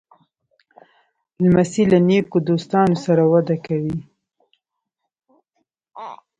لمسی له نیکو دوستانو سره وده کوي.